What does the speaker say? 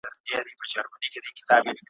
په نړيوالو مجالسو کي ګډون: